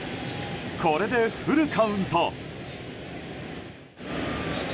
これでフルカウント。